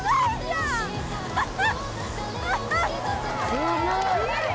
・すごい！